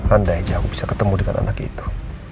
andai aja aku bisa ketemu dengan anak itu